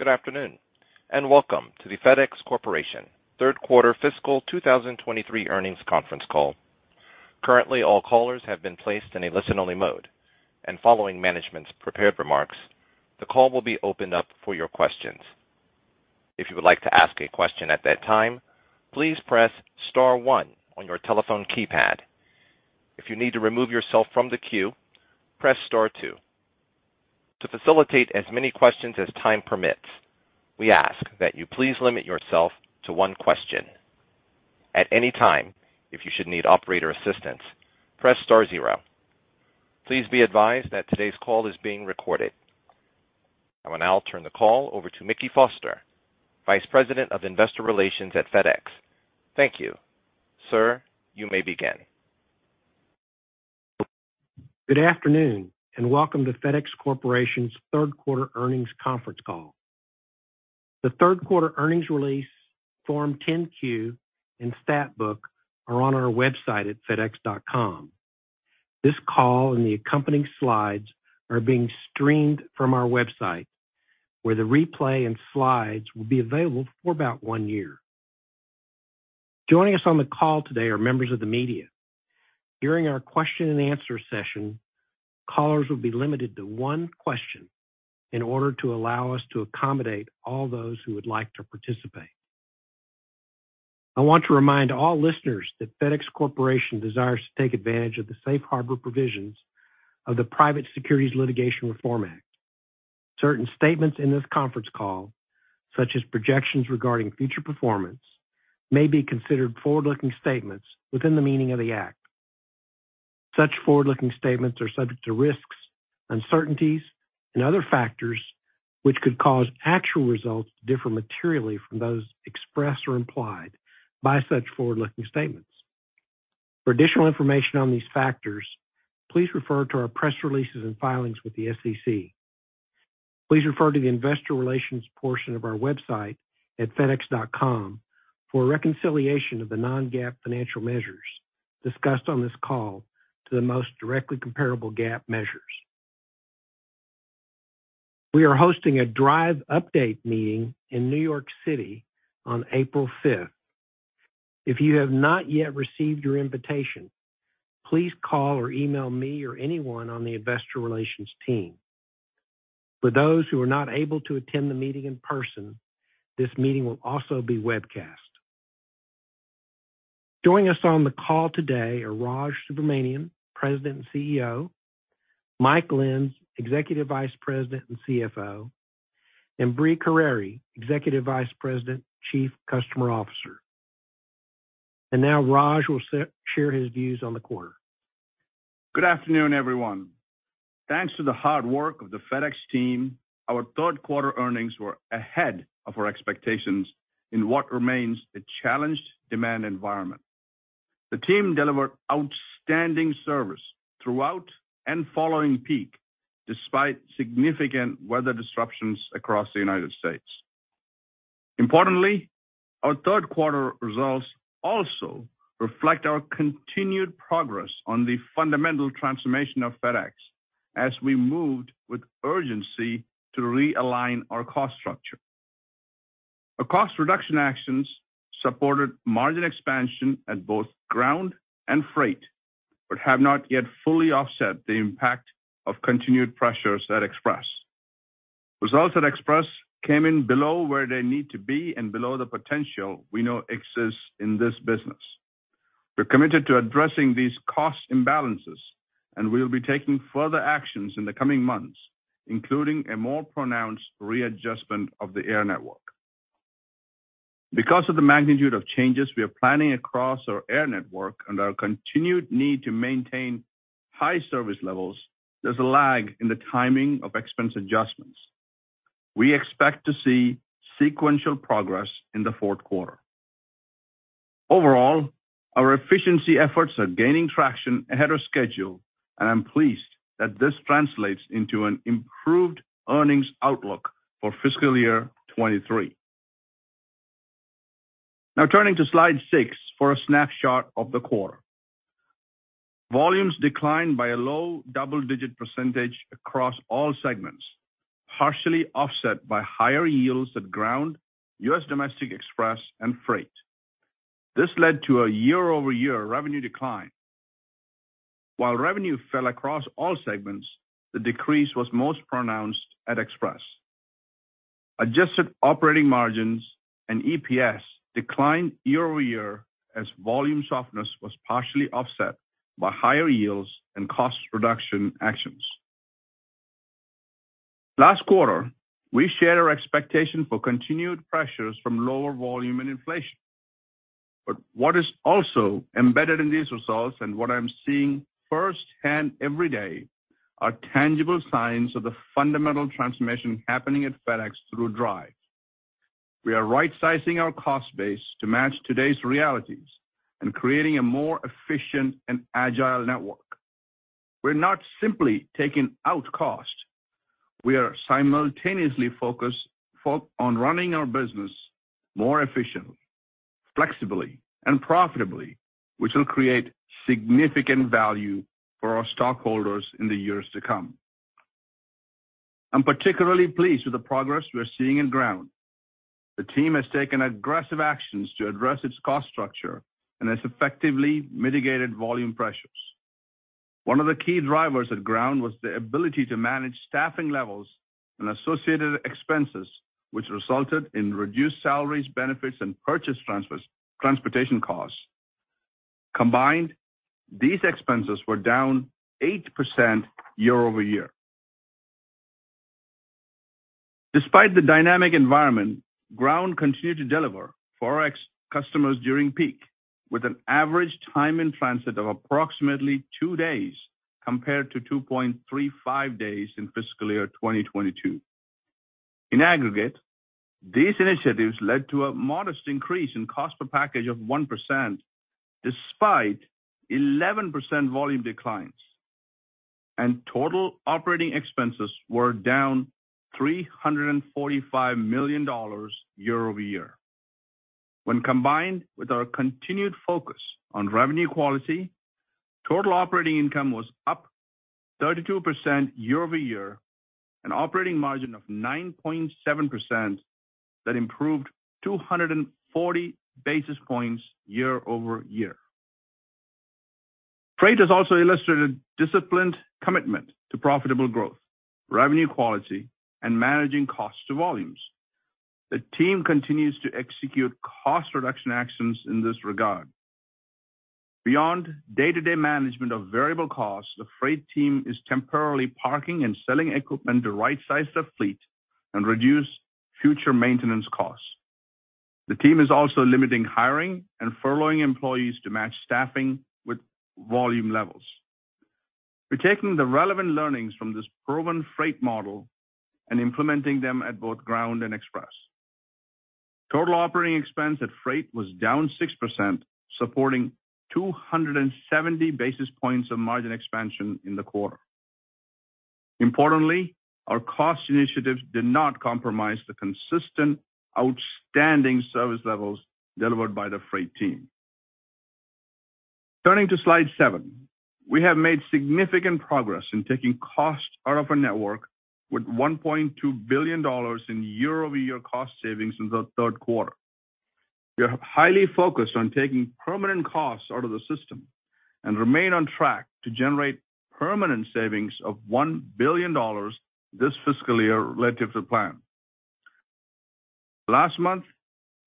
Good afternoon, welcome to the FedEx Corporation Third Quarter Fiscal 2023 Earnings Conference Call. Currently, all callers have been placed in a listen-only mode. Following management's prepared remarks, the call will be opened up for your questions. If you would like to ask a question at that time, please press star one on your telephone keypad. If you need to remove yourself from the queue, press star two. To facilitate as many questions as time permits, we ask that you please limit yourself to one question. At any time, if you should need operator assistance, press star zero. Please be advised that today's call is being recorded. I will now turn the call over to Mickey Foster, Vice President of Investor Relations at FedEx. Thank you. Sir, you may begin. Good afternoon, and welcome to FedEx Corporation's third quarter earnings conference call. The third quarter earnings release, Form 10-Q, and stat book are on our website at fedex.com. This call and the accompanying slides are being streamed from our website, where the replay and slides will be available for about 1 year. Joining us on the call today are members of the media. During our question and answer session, callers will be limited to one question in order to allow us to accommodate all those who would like to participate. I want to remind all listeners that FedEx Corporation desires to take advantage of the safe harbor provisions of the Private Securities Litigation Reform Act. Certain statements in this conference call, such as projections regarding future performance, may be considered forward-looking statements within the meaning of the act. Such forward-looking statements are subject to risks, uncertainties, and other factors which could cause actual results to differ materially from those expressed or implied by such forward-looking statements. For additional information on these factors, please refer to our press releases and filings with the SEC. Please refer to the investor relations portion of our website at fedex.com for a reconciliation of the non-GAAP financial measures discussed on this call to the most directly comparable GAAP measures. We are hosting a DRIVE update meeting in New York City on April 5th. If you have not yet received your invitation, please call or email me or anyone on the investor relations team. For those who are not able to attend the meeting in person, this meeting will also be webcast. Joining us on the call today are Raj Subramaniam, President and CEO. Mike Lenz, Executive Vice President and CFO, and Brie Carere, Executive Vice President, Chief Customer Officer. Now Raj will share his views on the quarter. Good afternoon, everyone. Thanks to the hard work of the FedEx team, our third quarter earnings were ahead of our expectations in what remains a challenged demand environment. The team delivered outstanding service throughout and following peak, despite significant weather disruptions across the United States. Importantly, our third quarter results also reflect our continued progress on the fundamental transformation of FedEx as we moved with urgency to realign our cost structure. Our cost reduction actions supported margin expansion at both Ground and Freight, but have not yet fully offset the impact of continued pressures at Express. Results at Express came in below where they need to be and below the potential we know exists in this business. We're committed to addressing these cost imbalances, and we'll be taking further actions in the coming months, including a more pronounced readjustment of the Air network. Because of the magnitude of changes we are planning across our Air network and our continued need to maintain high service levels, there's a lag in the timing of expense adjustments. We expect to see sequential progress in the fourth quarter. Overall, our efficiency efforts are gaining traction ahead of schedule, and I'm pleased that this translates into an improved earnings outlook for fiscal year 2023. Now turning to slide six for a snapshot of the quarter. Volumes declined by a low double-digit % across all segments, partially offset by higher yields at Ground, U.S. Domestic Express, and Freight. This led to a year-over-year revenue decline. While revenue fell across all segments, the decrease was most pronounced at Express. Adjusted operating margins and EPS declined year-over-year as volume softness was partially offset by higher yields and cost reduction actions. Last quarter, we shared our expectation for continued pressures from lower volume and inflation. What is also embedded in these results, and what I'm seeing firsthand every day, are tangible signs of the fundamental transformation happening at FedEx through DRIVE. We are rightsizing our cost base to match today's realities and creating a more efficient and agile network. We're not simply taking out cost. We are simultaneously focused on running our business more efficiently, flexibly and profitably, which will create significant value for our stockholders in the years to come. I'm particularly pleased with the progress we are seeing in Ground. The team has taken aggressive actions to address its cost structure and has effectively mitigated volume pressures. One of the key drivers at Ground was the ability to manage staffing levels and associated expenses, which resulted in reduced salaries, benefits, and purchase transportation costs. Combined, these expenses were down 8% year-over-year. Despite the dynamic environment, Ground continued to deliver for our ex- customers during peak with an average time in transit of approximately 2 days compared to 2.35 days in fiscal year 2022. In aggregate, these initiatives led to a modest increase in cost per package of 1% despite 11% volume declines. Total operating expenses were down $345 million year-over-year. When combined with our continued focus on revenue quality, total operating income was up 32% year-over-year, an operating margin of 9.7% that improved 240 basis points year-over-year. Freight has also illustrated disciplined commitment to profitable growth, revenue quality, and managing cost to volumes. The team continues to execute cost reduction actions in this regard. Beyond day-to-day management of variable costs, the Freight team is temporarily parking and selling equipment to right-size their fleet and reduce future maintenance costs. The team is also limiting hiring and furloughing employees to match staffing with volume levels. We're taking the relevant learnings from this proven Freight model and implementing them at both Ground and Express. Total operating expense at Freight was down 6%, supporting 270 basis points of margin expansion in the quarter. Importantly, our cost initiatives did not compromise the consistent outstanding service levels delivered by the Freight team. Turning to slide seven. We have made significant progress in taking costs out of our network with $1.2 billion in year-over-year cost savings in the third quarter. We are highly focused on taking permanent costs out of the system and remain on track to generate permanent savings of $1 billion this fiscal year relative to plan. Last month,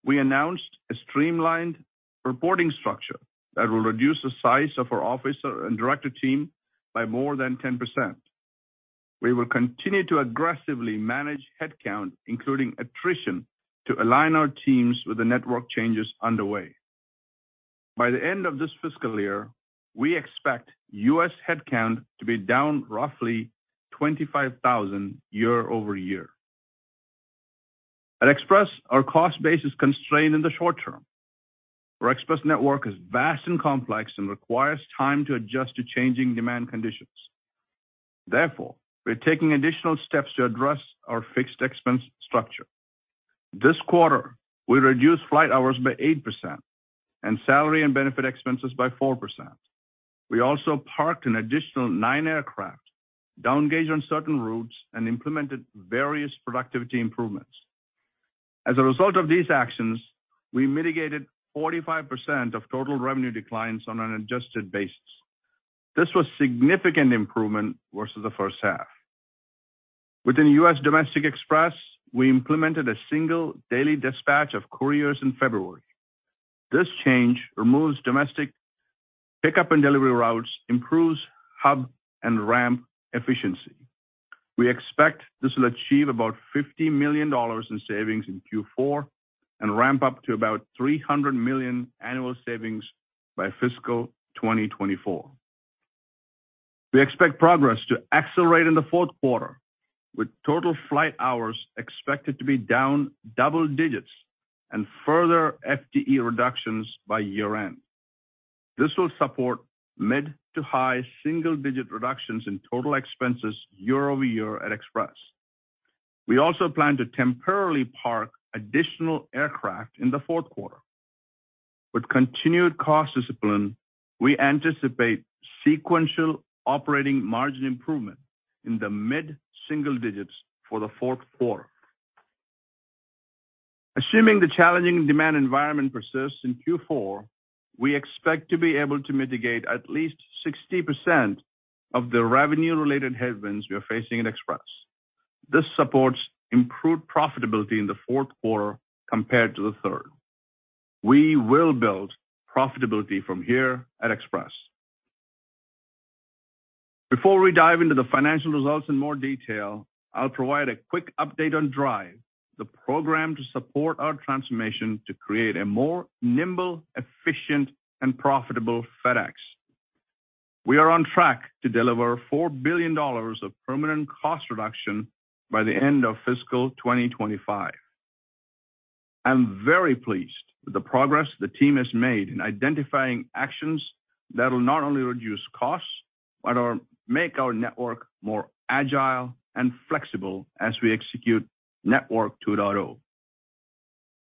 we announced a streamlined reporting structure that will reduce the size of our office and director team by more than 10%. We will continue to aggressively manage headcount, including attrition, to align our teams with the network changes underway. By the end of this fiscal year, we expect U.S. headcount to be down roughly 25,000 year-over-year. At Express, our cost base is constrained in the short term. Our Express network is vast and complex and requires time to adjust to changing demand conditions. Therefore, we're taking additional steps to address our fixed expense structure. This quarter, we reduced flight hours by 8% and salary and benefit expenses by 4%. We also parked an additional 9 aircraft, down-gauged on certain routes, and implemented various productivity improvements. As a result of these actions, we mitigated 45% of total revenue declines on an adjusted basis. This was significant improvement versus the first half. Within the U.S. Domestic Express, we implemented a single daily dispatch of couriers in February. This change removes domestic pickup and delivery routes, improves hub and ramp efficiency. We expect this will achieve about $50 million in savings in Q4 and ramp up to about $300 million annual savings by fiscal 2024. We expect progress to accelerate in the fourth quarter, with total flight hours expected to be down double digits and further FTE reductions by year-end. This will support mid to high single-digit reductions in total expenses year-over-year at Express. We also plan to temporarily park additional aircraft in the fourth quarter. With continued cost discipline, we anticipate sequential operating margin improvement in the mid single digits for the fourth quarter. Assuming the challenging demand environment persists in Q4, we expect to be able to mitigate at least 60% of the revenue-related headwinds we are facing at Express. This supports improved profitability in the fourth quarter compared to the third. We will build profitability from here at Express. Before we dive into the financial results in more detail, I'll provide a quick update on DRIVE, the program to support our transformation to create a more nimble, efficient, and profitable FedEx. We are on track to deliver $4 billion of permanent cost reduction by the end of fiscal 2025. I'm very pleased with the progress the team has made in identifying actions that will not only reduce costs but make our network more agile and flexible as we execute Network 2.0.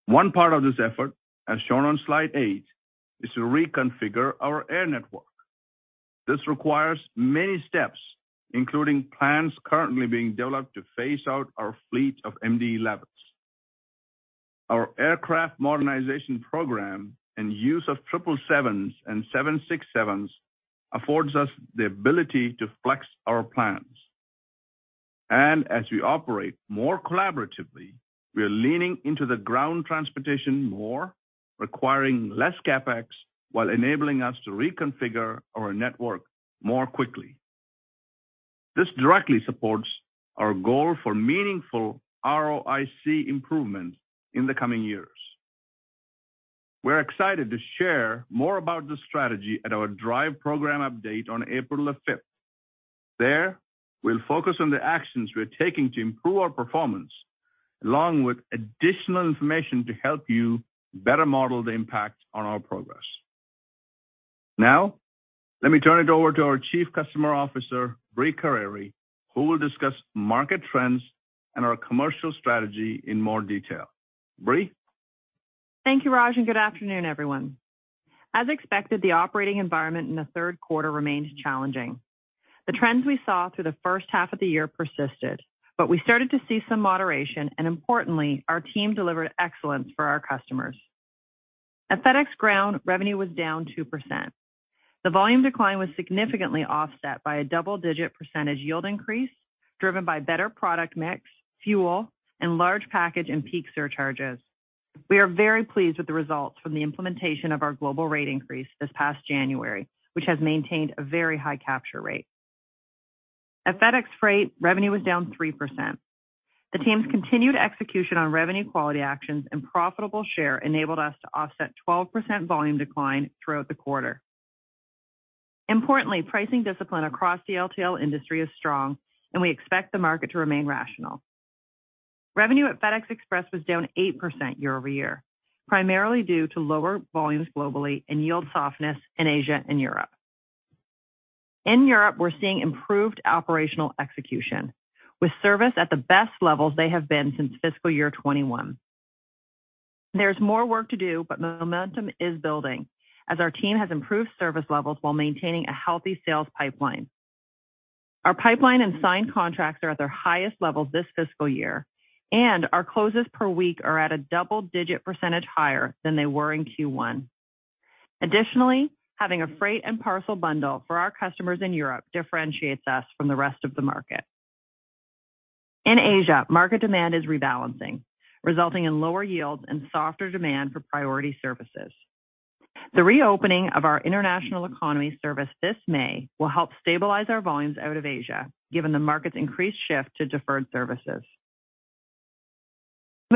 One part of this effort, as shown on slide eight, is to reconfigure our air network. This requires many steps, including plans currently being developed to phase out our fleet of MD-11s. Our aircraft modernization program and use of 777s and 767s affords us the ability to flex our plans. As we operate more collaboratively, we are leaning into the ground transportation more, requiring less CapEx, while enabling us to reconfigure our network more quickly. This directly supports our goal for meaningful ROIC improvements in the coming years. We're excited to share more about this strategy at our DRIVE program update on April 5th. There, we'll focus on the actions we're taking to improve our performance, along with additional information to help you better model the impact on our progress. Now, let me turn it over to our Chief Customer Officer, Brie Carere, who will discuss market trends and our commercial strategy in more detail. Brie? Thank you, Raj. Good afternoon, everyone. As expected, the operating environment in the third quarter remained challenging. The trends we saw through the first half of the year persisted, but we started to see some moderation, and importantly, our team delivered excellence for our customers. At FedEx Ground, revenue was down 2%. The volume decline was significantly offset by a double-digit % yield increase driven by better product mix, fuel, and large package and peak surcharges. We are very pleased with the results from the implementation of our global rate increase this past January, which has maintained a very high capture rate. At FedEx Freight, revenue was down 3%. The team's continued execution on revenue quality actions and profitable share enabled us to offset 12% volume decline throughout the quarter. Importantly, pricing discipline across the LTL industry is strong, and we expect the market to remain rational. Revenue at FedEx Express was down 8% year-over-year, primarily due to lower volumes globally and yield softness in Asia and Europe. In Europe, we're seeing improved operational execution with service at the best levels they have been since fiscal year 2021. There's more work to do, but momentum is building as our team has improved service levels while maintaining a healthy sales pipeline. Our pipeline and signed contracts are at their highest levels this fiscal year, and our closes per week are at a double-digit percentage higher than they were in Q1. Additionally, having a freight and parcel bundle for our customers in Europe differentiates us from the rest of the market. In Asia, market demand is rebalancing, resulting in lower yields and softer demand for priority services. The reopening of our International Economy service this May will help stabilize our volumes out of Asia, given the market's increased shift to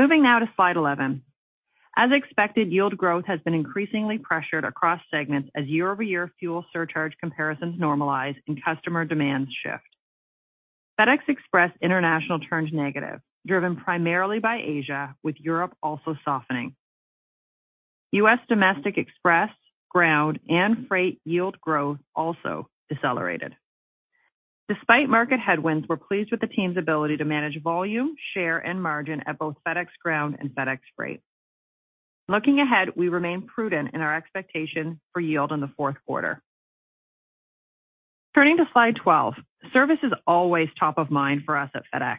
deferred services. Moving now to slide 11. As expected, yield growth has been increasingly pressured across segments as year-over-year fuel surcharge comparisons normalize and customer demands shift. FedEx Express international turned negative, driven primarily by Asia, with Europe also softening. U.S. domestic Express, Ground, and Freight yield growth also decelerated. Despite market headwinds, we're pleased with the team's ability to manage volume, share, and margin at both FedEx Ground and FedEx Freight. Looking ahead, we remain prudent in our expectation for yield in the fourth quarter. Turning to slide 12. Service is always top of mind for us at FedEx.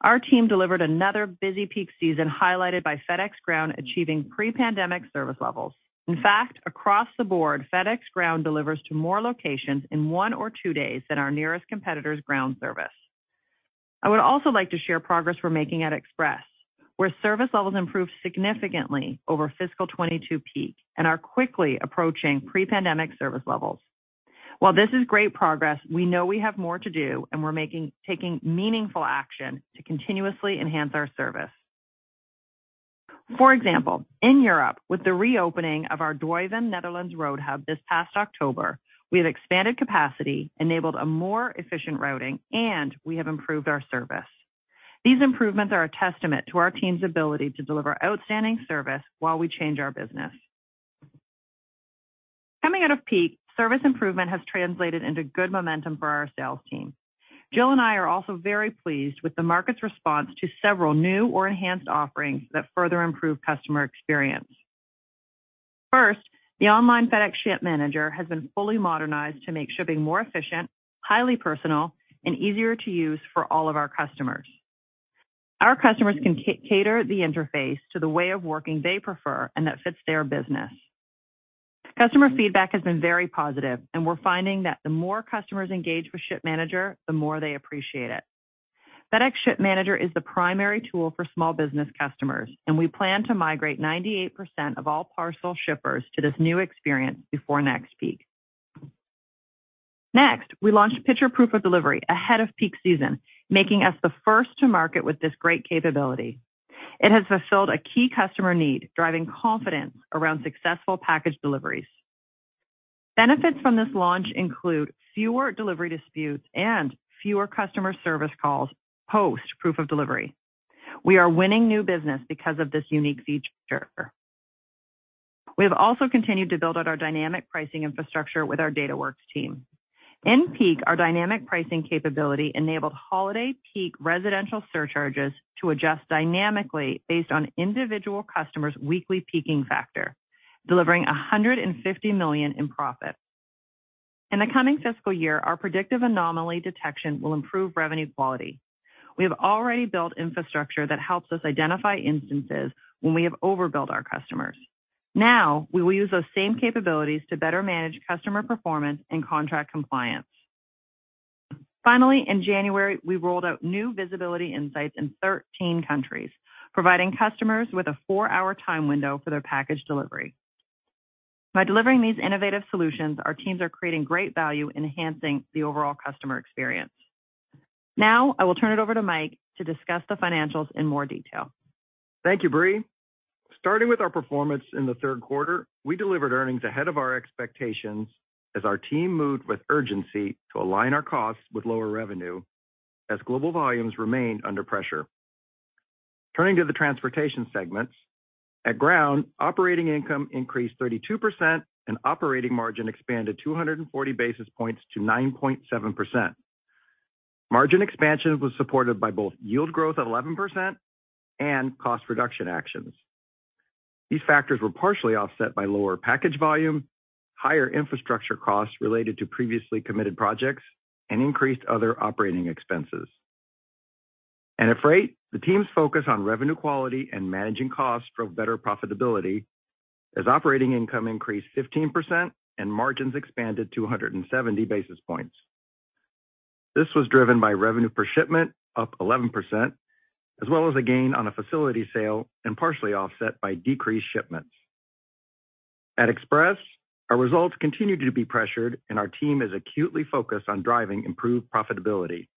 Our team delivered another busy peak season highlighted by FedEx Ground achieving pre-pandemic service levels. In fact, across the board, FedEx Ground delivers to more locations in one or two days than our nearest competitor's ground service. I would also like to share progress we're making at Express, where service levels improved significantly over fiscal 2022 peak and are quickly approaching pre-pandemic service levels. While this is great progress, we know we have more to do, and we're taking meaningful action to continuously enhance our service. For example, in Europe, with the reopening of our Duiven, Netherlands road hub this past October, we have expanded capacity, enabled a more efficient routing, and we have improved our service. These improvements are a testament to our team's ability to deliver outstanding service while we change our business. Coming out of peak, service improvement has translated into good momentum for our sales team. Jill and I are also very pleased with the market's response to several new or enhanced offerings that further improve customer experience. First, the online FedEx Ship Manager has been fully modernized to make shipping more efficient, highly personal, and easier to use for all of our customers. Our customers can cater the interface to the way of working they prefer and that fits their business. Customer feedback has been very positive. We're finding that the more customers engage with Ship Manager, the more they appreciate it. FedEx Ship Manager is the primary tool for small business customers. We plan to migrate 98% of all parcel shippers to this new experience before next peak. We launched Picture Proof of Delivery ahead of peak season, making us the first to market with this great capability. It has fulfilled a key customer need, driving confidence around successful package deliveries. Benefits from this launch include fewer delivery disputes and fewer customer service calls post Picture Proof of Delivery. We are winning new business because of this unique feature. We have also continued to build out our dynamic pricing infrastructure with our FedEx Dataworks team. In peak, our dynamic pricing capability enabled holiday peak residential surcharges to adjust dynamically based on individual customers' weekly peaking factor, delivering $150 million in profit. In the coming fiscal year, our predictive anomaly detection will improve revenue quality. We have already built infrastructure that helps us identify instances when we have overbilled our customers. Now, we will use those same capabilities to better manage customer performance and contract compliance. In January, we rolled out new visibility insights in 13 countries, providing customers with a 4-hour time window for their package delivery. By delivering these innovative solutions, our teams are creating great value enhancing the overall customer experience. I will turn it over to Mike to discuss the financials in more detail. Thank you, Brie. Starting with our performance in the third quarter, we delivered earnings ahead of our expectations as our team moved with urgency to align our costs with lower revenue as global volumes remained under pressure. Turning to the transportation segments. At Ground, operating income increased 32% and operating margin expanded 240 basis points to 9.7%. Margin expansion was supported by both yield growth at 11% and cost reduction actions. These factors were partially offset by lower package volume, higher infrastructure costs related to previously committed projects, and increased other operating expenses. At Freight, the team's focus on revenue quality and managing costs drove better profitability as operating income increased 15% and margins expanded 270 basis points. This was driven by revenue per shipment up 11%, as well as a gain on a facility sale and partially offset by decreased shipments. At Express, our results continued to be pressured, and our team is acutely focused on driving improved profitability.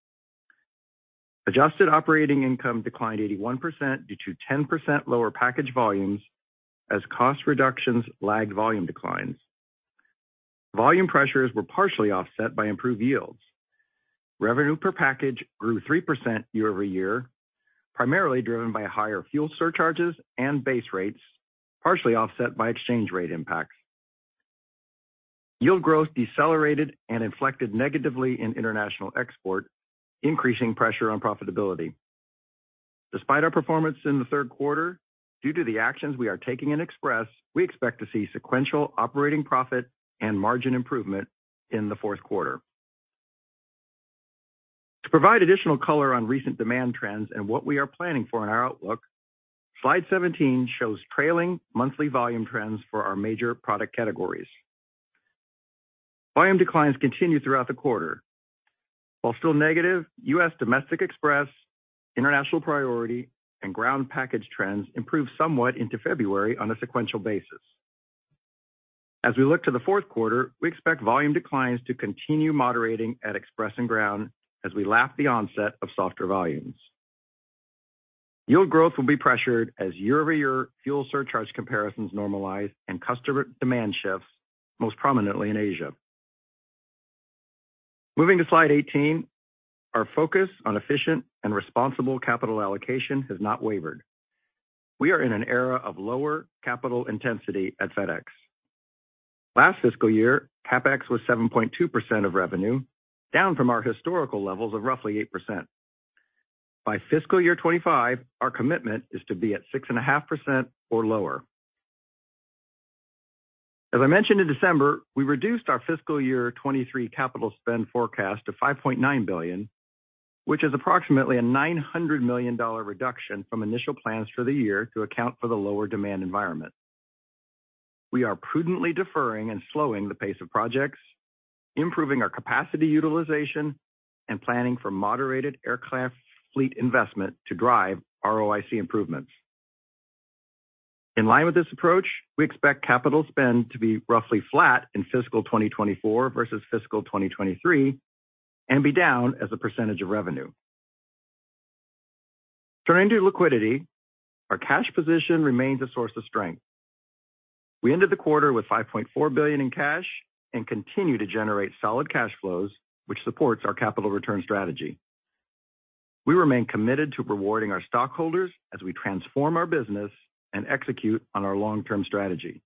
Adjusted operating income declined 81% due to 10% lower package volumes as cost reductions lagged volume declines. Volume pressures were partially offset by improved yields. Revenue per package grew 3% year-over-year, primarily driven by higher fuel surcharges and base rates, partially offset by exchange rate impacts. Yield growth decelerated and inflected negatively in international export, increasing pressure on profitability. Despite our performance in the third quarter, due to the actions we are taking in Express, we expect to see sequential operating profit and margin improvement in the fourth quarter. To provide additional color on recent demand trends and what we are planning for in our outlook, slide 17 shows trailing monthly volume trends for our major product categories. Volume declines continued throughout the quarter. While still negative, U.S. domestic Express, International Priority, and Ground package trends improved somewhat into February on a sequential basis. As we look to the fourth quarter, we expect volume declines to continue moderating at Express and Ground as we lap the onset of softer volumes. Yield growth will be pressured as year-over-year fuel surcharge comparisons normalize and customer demand shifts, most prominently in Asia. Moving to slide 18, our focus on efficient and responsible capital allocation has not wavered. We are in an era of lower capital intensity at FedEx. Last fiscal year, CapEx was 7.2% of revenue, down from our historical levels of roughly 8%. By fiscal year 2025, our commitment is to be at 6.5% or lower. As I mentioned in December, we reduced our fiscal year 2023 CapEx forecast to $5.9 billion, which is approximately a $900 million reduction from initial plans for the year to account for the lower demand environment. We are prudently deferring and slowing the pace of projects, improving our capacity utilization, and planning for moderated aircraft fleet investment to drive ROIC improvements. In line with this approach, we expect CapEx to be roughly flat in fiscal 2024 versus fiscal 2023 and be down as a % of revenue. Turning to liquidity, our cash position remains a source of strength. We ended the quarter with $5.4 billion in cash and continue to generate solid cash flows, which supports our capital return strategy. We remain committed to rewarding our stockholders as we transform our business and execute on our long-term strategy.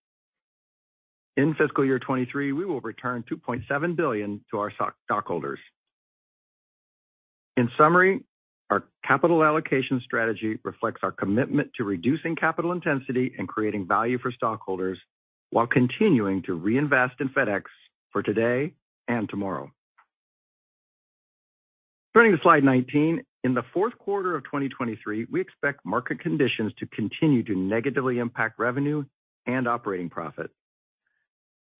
In fiscal year 2023, we will return $2.7 billion to our stockholders. In summary, our capital allocation strategy reflects our commitment to reducing capital intensity and creating value for stockholders while continuing to reinvest in FedEx for today and tomorrow. Turning to slide 19. In the fourth quarter of 2023, we expect market conditions to continue to negatively impact revenue and operating profit.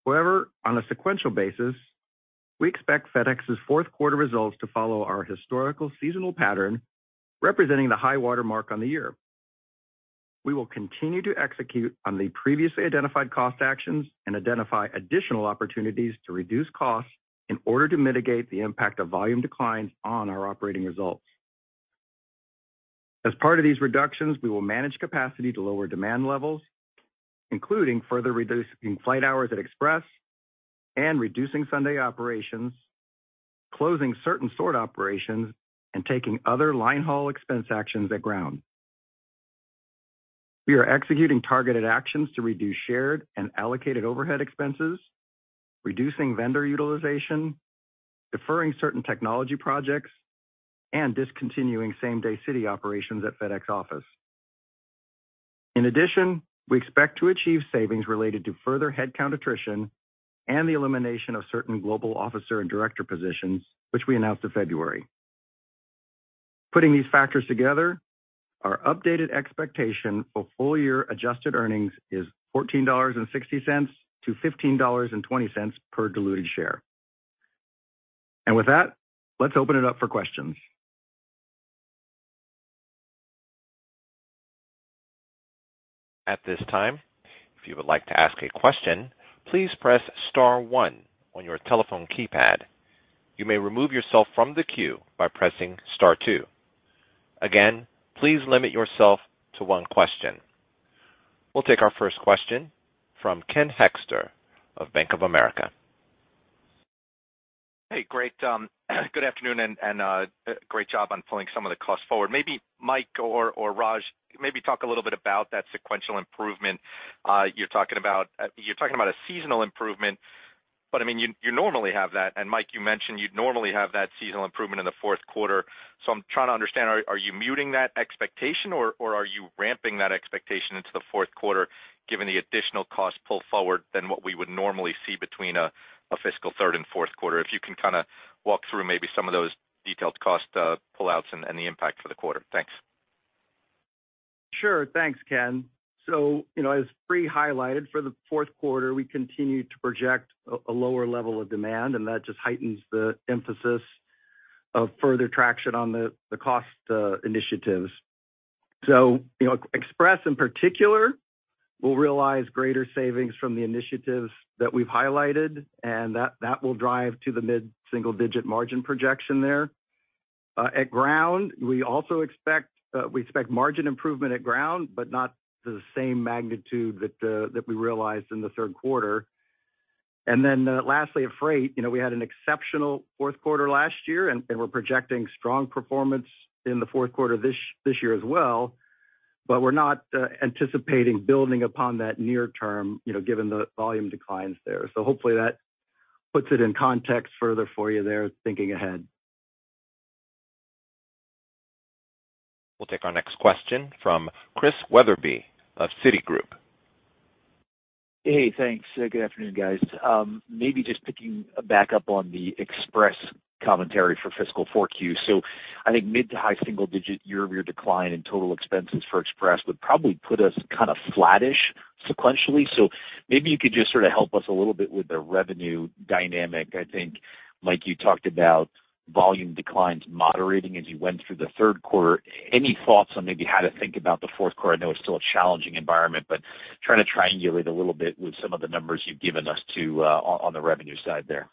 On a sequential basis, we expect FedEx's fourth quarter results to follow our historical seasonal pattern, representing the high-water mark on the year. We will continue to execute on the previously identified cost actions and identify additional opportunities to reduce costs in order to mitigate the impact of volume declines on our operating results. As part of these reductions, we will manage capacity to lower demand levels, including further reducing flight hours at Express and reducing Sunday operations, closing certain sort operations and taking other line haul expense actions at Ground. We are executing targeted actions to reduce shared and allocated overhead expenses, reducing vendor utilization, deferring certain technology projects, and discontinuing same-day city operations at FedEx Office. In addition, we expect to achieve savings related to further headcount attrition and the elimination of certain global officer and director positions, which we announced in February. Putting these factors together, our updated expectation for full-year adjusted earnings is $14.60-$15.20 per diluted share. With that, let's open it up for questions. At this time, if you would like to ask a question, please press star one on your telephone keypad. You may remove yourself from the queue by pressing star two. Again, please limit yourself to one question. We'll take our first question from Ken Hoexter of Bank of America. Hey, great. Good afternoon, great job on pulling some of the costs forward. Maybe Mike or Raj, maybe talk a little bit about that sequential improvement you're talking about. You're talking about a seasonal improvement, I mean, you normally have that. Mike, you mentioned you'd normally have that seasonal improvement in the fourth quarter. I'm trying to understand, are you muting that expectation or are you ramping that expectation into the fourth quarter given the additional cost pull forward than what we would normally see between a fiscal third and fourth quarter? If you can kinda walk through maybe some of those detailed cost pull-outs and the impact for the quarter. Thanks. Sure. Thanks, Ken. You know, as Brie highlighted, for the fourth quarter, we continue to project a lower level of demand, and that just heightens the emphasis of further traction on the cost initiatives. You know, Express in particular will realize greater savings from the initiatives that we've highlighted, and that will drive to the mid-single digit margin projection there. At Ground, we also expect margin improvement at Ground, but not to the same magnitude that we realized in the third quarter. Lastly at Freight, you know, we had an exceptional fourth quarter last year, and we're projecting strong performance in the fourth quarter this year as well, but we're not anticipating building upon that near term, you know, given the volume declines there. Hopefully that puts it in context further for you there, thinking ahead. We'll take our next question from Chris Wetherbee of Citigroup. Hey, thanks. Good afternoon, guys. Maybe just picking back up on the Express commentary for fiscal 4Q. I think mid to high single digit year-over-year decline in total expenses for Express would probably put us kind of flattish sequentially. Maybe you could just sort of help us a little bit with the revenue dynamic. I think, Mike, you talked about volume declines moderating as you went through the third quarter. Any thoughts on maybe how to think about the fourth quarter? I know it's still a challenging environment, but trying to triangulate a little bit with some of the numbers you've given us to the revenue side there.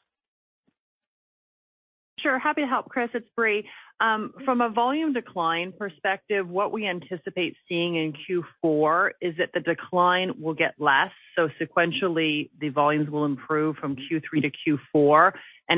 Sure. Happy to help, Chris. It's Brie. From a volume decline perspective, what we anticipate seeing in Q4 is that the decline will get less. Sequentially, the volumes will improve from Q3 to Q4.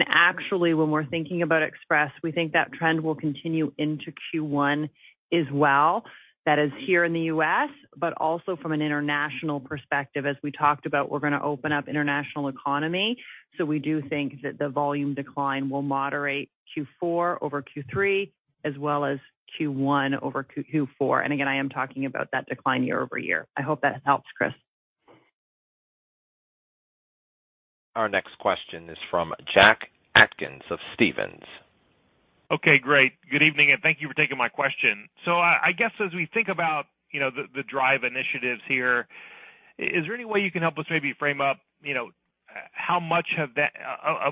Actually, when we're thinking about FedEx Express, we think that trend will continue into Q1 as well. That is here in the U.S., also from an international perspective. As we talked about, we're gonna open up FedEx International Economy. We do think that the volume decline will moderate Q4 over Q3 as well as Q1 over Q4. Again, I am talking about that decline year-over-year. I hope that helps, Chris. Our next question is from Jack Atkins of Stephens. Okay, great. Good evening, and thank you for taking my question. I guess as we think about, you know, the DRIVE initiatives here, is there any way you can help us maybe frame up, you know, how much of that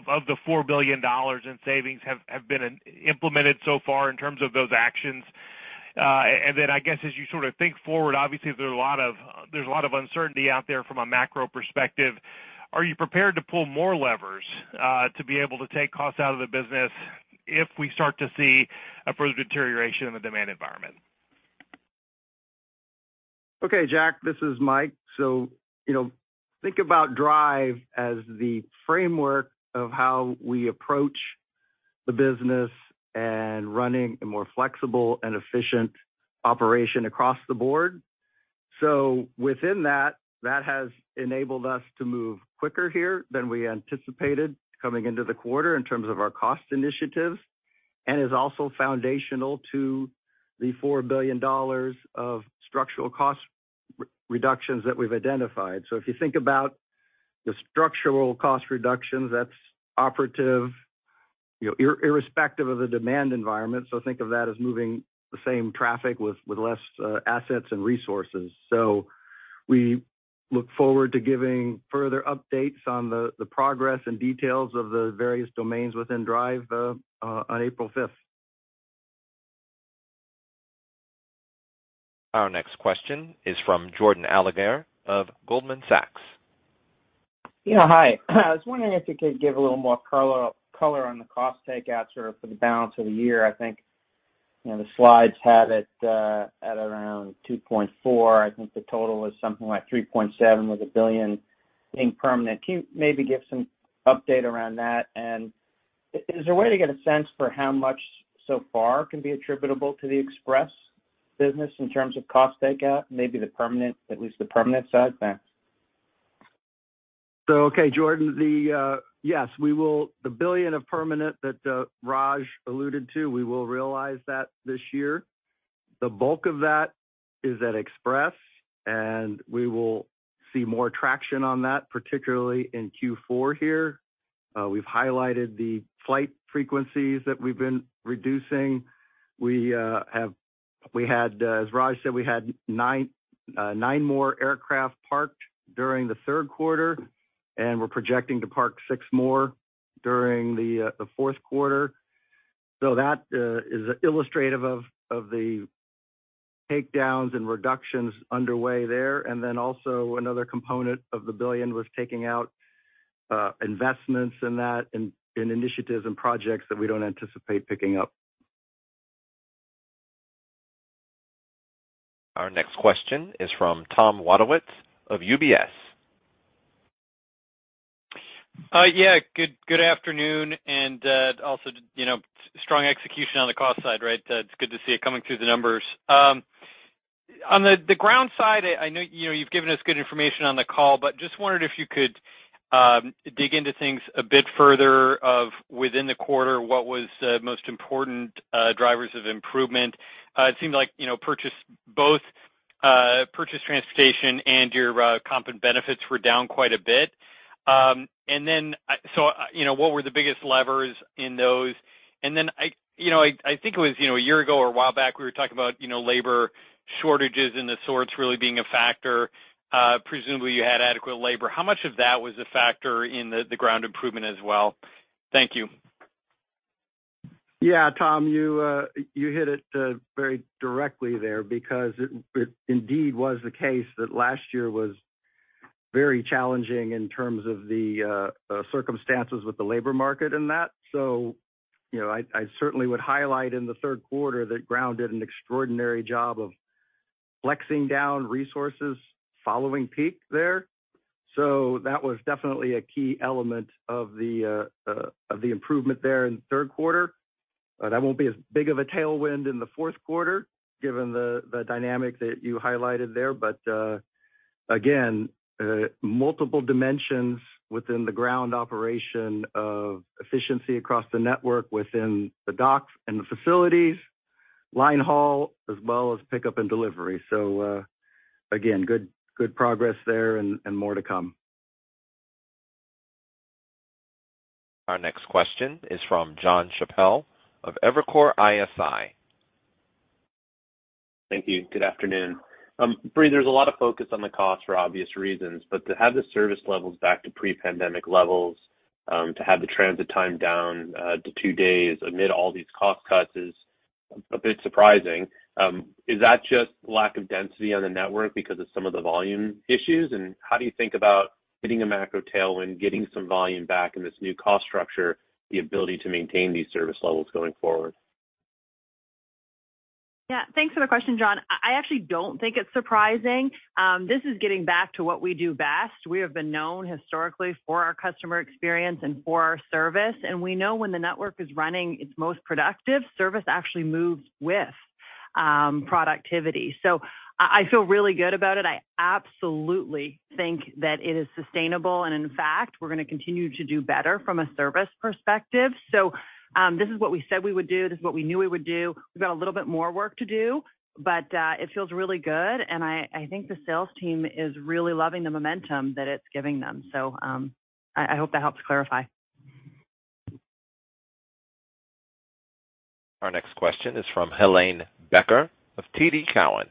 of the $4 billion in savings have been implemented so far in terms of those actions? Then I guess as you sort of think forward, obviously, there's a lot of uncertainty out there from a macro perspective. Are you prepared to pull more levers to be able to take costs out of the business if we start to see a further deterioration in the demand environment? Jack, this is Mike. You know, think about DRIVE as the framework of how we approach the business and running a more flexible and efficient operation across the board. Within that has enabled us to move quicker here than we anticipated coming into the quarter in terms of our cost initiatives, and is also foundational to the $4 billion of structural cost reductions that we've identified. If you think about the structural cost reductions that's operative, you know, irrespective of the demand environment. Think of that as moving the same traffic with less assets and resources. We look forward to giving further updates on the progress and details of the various domains within DRIVE on April 5th. Our next question is from Jordan Alliger of Goldman Sachs. Yeah. Hi. I was wondering if you could give a little more color on the cost takeouts or for the balance of the year? You know, the slides had it, at around $2.4 billion. I think the total was something like $3.7 billion, with $1 billion in permanent. Can you maybe give some update around that? Is there a way to get a sense for how much so far can be attributable to the Express business in terms of cost takeout, maybe the permanent, at least the permanent side? Thanks. Okay, Jordan. Yes, we will realize the $1 billion of permanent that Raj alluded to this year. The bulk of that is at Express, and we will see more traction on that, particularly in Q4 here. We've highlighted the flight frequencies that we've been reducing. We had, as Raj said, nine more aircraft parked during the third quarter, and we're projecting to park six more during the fourth quarter. That is illustrative of the takedowns and reductions underway there. Also another component of the $1 billion was taking out investments in that, in initiatives and projects that we don't anticipate picking up. Our next question is from Tom Wadewitz of UBS. Yeah. Good, good afternoon. Also you know, strong execution on the cost side, right? It's good to see it coming through the numbers. On the ground side, I know, you know, you've given us good information on the call, but just wondered if you could dig into things a bit further of within the quarter, what was the most important drivers of improvement? It seemed like, you know, both purchase transportation and your comp and benefits were down quite a bit. Then, you know, what were the biggest levers in those? And then I, you know, I think it was, you know, a year ago or a while back, we were talking about, you know, labor shortages and the sorts really being a factor. Presumably you had adequate labor. How much of that was a factor in the Ground improvement as well? Thank you. Tom, you hit it very directly there because it indeed was the case that last year was very challenging in terms of the circumstances with the labor market in that. You know, I certainly would highlight in the third quarter that Ground did an extraordinary job of flexing down resources following peak there. That was definitely a key element of the improvement there in the third quarter. That won't be as big of a tailwind in the fourth quarter given the dynamic that you highlighted there. Again, multiple dimensions within the Ground operation of efficiency across the network, within the docks and the facilities, line haul, as well as pickup and delivery. Again, good progress there and more to come. Our next question is from Jonathan Chappell of Evercore ISI. Thank you. Good afternoon. Brie, there's a lot of focus on the cost for obvious reasons, but to have the service levels back to pre-pandemic levels, to have the transit time down to two days amid all these cost cuts is a bit surprising. Is that just lack of density on the network because of some of the volume issues? How do you think about hitting a macro tailwind, getting some volume back in this new cost structure, the ability to maintain these service levels going forward? Yeah. Thanks for the question, John. I actually don't think it's surprising. This is getting back to what we do best. We have been known historically for our customer experience and for our service. We know when the network is running its most productive, service actually moves with, productivity. I feel really good about it. I absolutely think that it is sustainable. In fact, we're gonna continue to do better from a service perspective. This is what we said we would do. This is what we knew we would do. We've got a little bit more work to do, but, it feels really good. I think the sales team is really loving the momentum that it's giving them. I hope that helps clarify. Our next question is from Helane Becker of TD Cowen.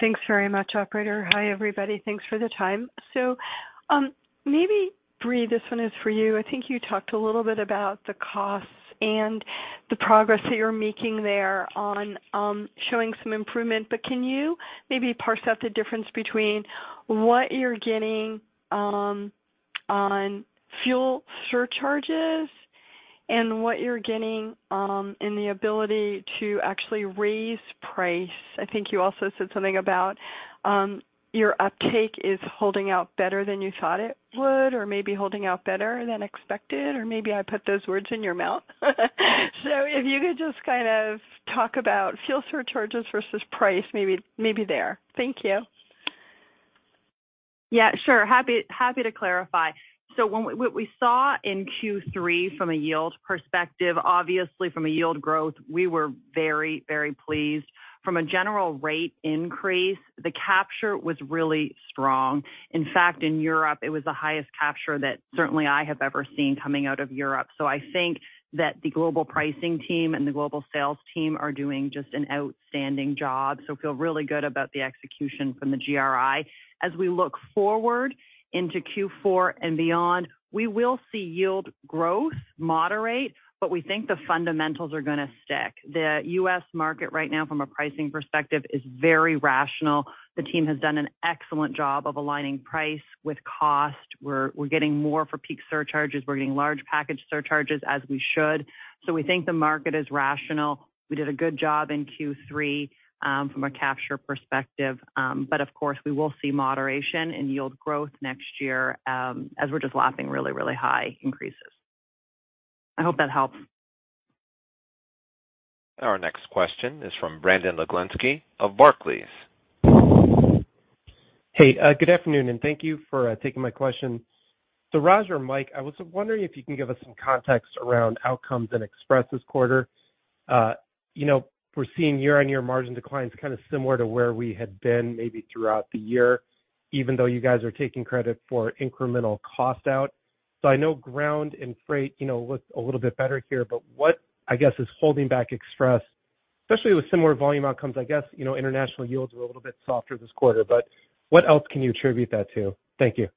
Thanks very much, operator. Hi, everybody. Thanks for the time. Maybe Brie, this one is for you. I think you talked a little bit about the costs and the progress that you're making there on showing some improvement, but can you maybe parse out the difference between what you're getting on fuel surcharges and what you're getting in the ability to actually raise price? I think you also said something about your uptake is holding out better than you thought it would, or maybe holding out better than expected, or maybe I put those words in your mouth. If you could just kind of talk about fuel surcharges versus price, maybe there. Thank you. Yeah, sure. Happy to clarify. What we saw in Q3 from a yield perspective, obviously from a yield growth, we were very, very pleased. From a general rate increase, the capture was really strong. In fact, in Europe, it was the highest capture that certainly I have ever seen coming out of Europe. I think that the global pricing team and the global sales team are doing just an outstanding job. Feel really good about the execution from the GRI. As we look forward into Q4 and beyond, we will see yield growth moderate, but we think the fundamentals are gonna stick. The U.S. market right now from a pricing perspective is very rational. The team has done an excellent job of aligning price with cost. We're getting more for peak surcharges. We're getting large package surcharges as we should. We think the market is rational. We did a good job in Q3 from a capture perspective. Of course, we will see moderation in yield growth next year as we're just lapping really, really high increases. I hope that helps. Our next question is from Brandon Oglenski of Barclays. Hey, good afternoon, and thank you for taking my question. Raj or Mike, I was wondering if you can give us some context around outcomes in Express this quarter. You know, we're seeing year-on-year margin declines kind of similar to where we had been maybe throughout the year, even though you guys are taking credit for incremental cost out. I know Ground and Freight, you know, look a little bit better here, what, I guess, is holding back Express, especially with similar volume outcomes, I guess, you know, international yields were a little bit softer this quarter, what else can you attribute that to? Thank you.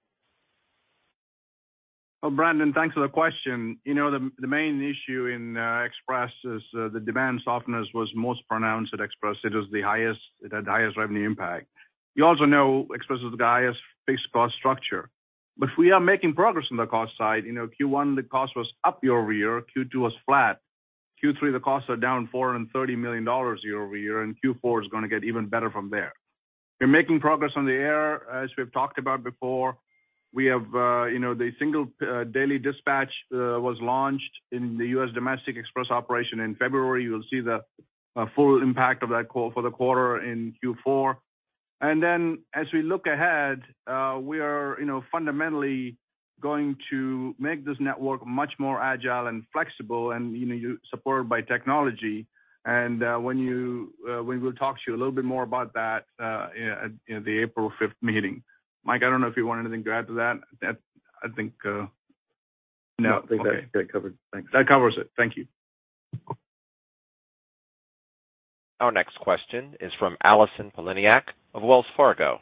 Well, Brandon, thanks for the question. You know the main issue in Express is the demand softness was most pronounced at Express. It had highest revenue impact. You also know Express has the highest fixed cost structure. We are making progress on the cost side. You know, Q1, the cost was up year-over-year. Q2 was flat. Q3, the costs are down $430 million year-over-year, Q4 is gonna get even better from there. We're making progress on the air, as we've talked about before. We have, you know, the single daily dispatch was launched in the U.S. domestic express operation in February. You'll see the full impact of that call for the quarter in Q4. Then as we look ahead, we are, you know, fundamentally going to make this network much more agile and flexible and, you know, supported by technology. When we will talk to you a little bit more about that in the April 5th meeting. Mike, I don't know if you want anything to add to that. That, I think. No, I think that's got it covered. Thanks. That covers it. Thank you. Our next question is from Allison Poliniak-Cusic of Wells Fargo.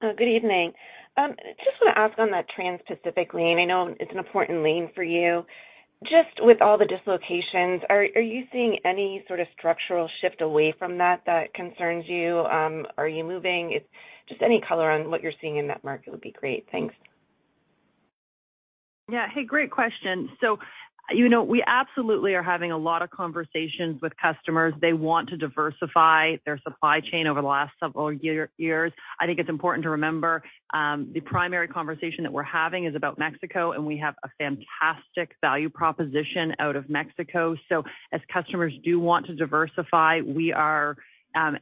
Good evening. Just wanna ask on that Trans-Pacific lane. I know it's an important lane for you. Just with all the dislocations, are you seeing any sort of structural shift away from that concerns you? Are you moving? If just any color on what you're seeing in that market would be great. Thanks. Hey, great question. You know, we absolutely are having a lot of conversations with customers. They want to diversify their supply chain over the last several years. I think it's important to remember, the primary conversation that we're having is about Mexico. We have a fantastic value proposition out of Mexico. As customers do want to diversify, we are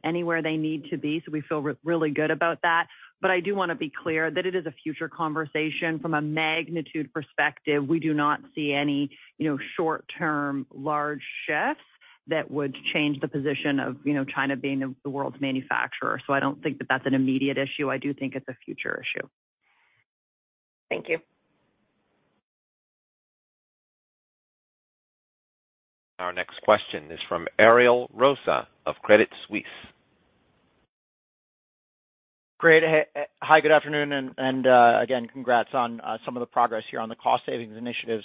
anywhere they need to be. We feel really good about that. I do wanna be clear that it is a future conversation from a magnitude perspective. We do not see any, you know, short-term large shifts that would change the position of, you know, China being the world's manufacturer. I don't think that that's an immediate issue. I do think it's a future issue. Thank you. Our next question is from Ariel Rosa of Credit Suisse. Great. Hi, good afternoon, and again, congrats on some of the progress here on the cost savings initiatives.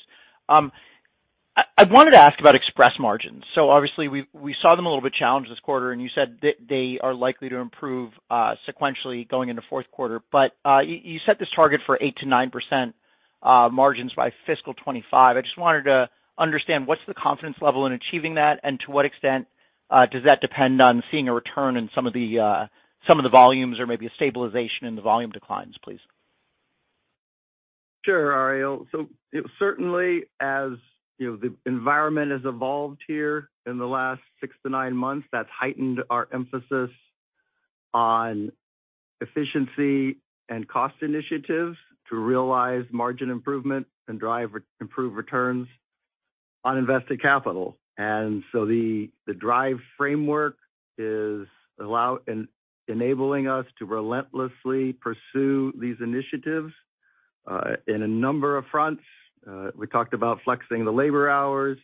I wanted to ask about Express margins. Obviously we saw them a little bit challenged this quarter, and you said they are likely to improve sequentially going into fourth quarter. You set this target for 8%-9% margins by fiscal 2025. I just wanted to understand what's the confidence level in achieving that, and to what extent does that depend on seeing a return in the volumes or maybe a stabilization in the volume declines, please? Sure, Ariel. Certainly, as, you know, the environment has evolved here in the last 6 to 9 months, that's heightened our emphasis on efficiency and cost initiatives to realize margin improvement and drive or improve returns on invested capital. The DRIVE framework is allow and enabling us to relentlessly pursue these initiatives in a number of fronts. We talked about flexing the labor hours,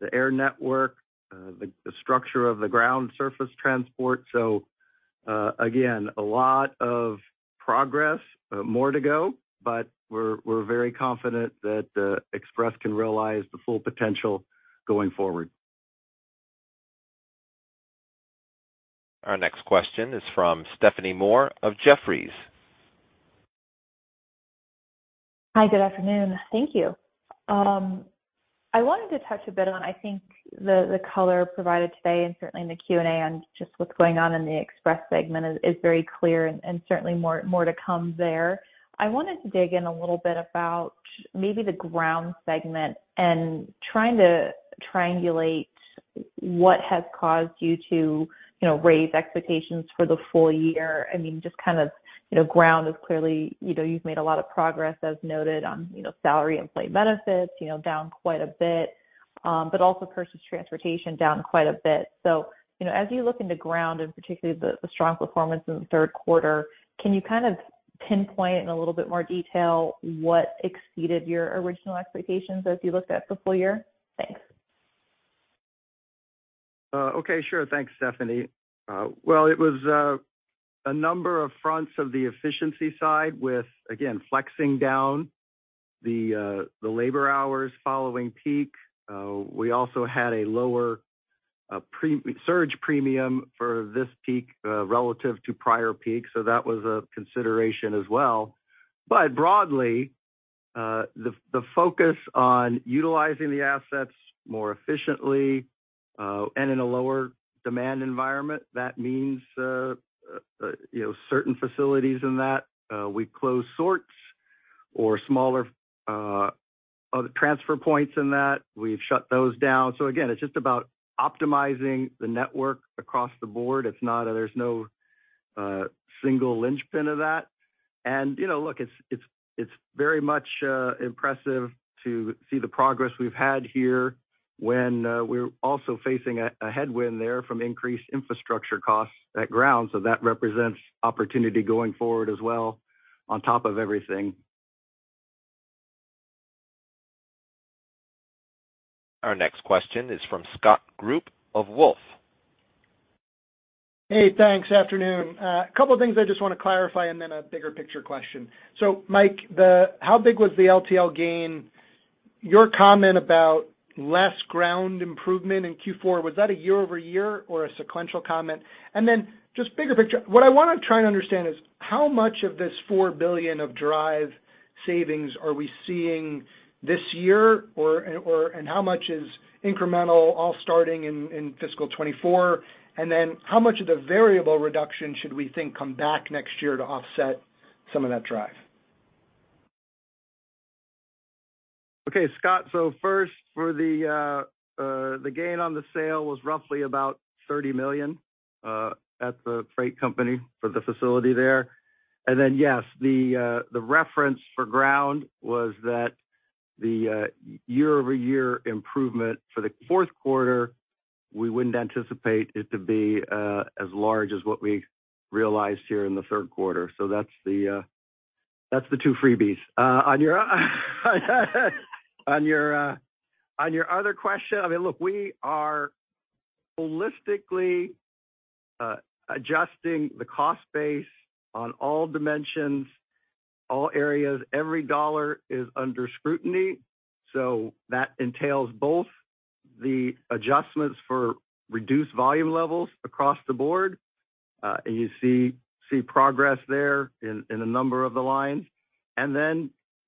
the air network, the structure of the ground surface transport. Again, a lot of progress, more to go, but we're very confident that Express can realize the full potential going forward. Our next question is from Stephanie Moore of Jefferies. Hi, good afternoon. Thank you. I wanted to touch a bit on, I think the color provided today and certainly in the Q&A on just what's going on in the Express segment is very clear and certainly more to come there. I wanted to dig in a little bit about maybe the Ground segment and trying to triangulate what has caused you to, you know, raise expectations for the full year. I mean, just kind of, you know, Ground is clearly, you know, you've made a lot of progress as noted on, you know, salary and employee benefits, you know, down quite a bit, but also purchased transportation down quite a bit. you know, as you look into Ground and particularly the strong performance in the third quarter, can you kind of pinpoint in a little bit more detail what exceeded your original expectations as you looked at the full year? Thanks. Okay, sure. Thanks, Stephanie. Well, it was a number of fronts of the efficiency side with, again, flexing down the labor hours following peak. We also had a lower pre-surge premium for this peak relative to prior peak, so that was a consideration as well. Broadly, the focus on utilizing the assets more efficiently, and in a lower demand environment, that means, you know, certain facilities in that, we close sorts or smaller other transfer points in that, we've shut those down. Again, it's just about optimizing the network across the board. It's not. There's no single linchpin of that. you know, look, it's very much impressive to see the progress we've had here when we're also facing a headwind there from increased infrastructure costs at Ground. That represents opportunity going forward as well on top of everything. Our next question is from Scott Group of Wolfe. Thanks. Afternoon. A couple of things I just want to clarify and then a bigger picture question. Mike, how big was the LTL gain? Your comment about less Ground improvement in Q4, was that a year-over-year or a sequential comment? Just bigger picture, what I wanna try and understand is how much of this $4 billion of DRIVE savings are we seeing this year? How much is incremental all starting in fiscal 2024? How much of the variable reduction should we think come back next year to offset some of that DRIVE? Okay, Scott. First, for the gain on the sale was roughly about $30 million at the freight company for the facility there. Yes, the reference for Ground was that the year-over-year improvement for the fourth quarter, we wouldn't anticipate it to be as large as what we realized here in the third quarter. That's the two freebies. On your on your other question, I mean, look, we are holistically adjusting the cost base on all dimensions, all areas. Every dollar is under scrutiny. That entails both the adjustments for reduced volume levels across the board, and you see progress there in a number of the lines.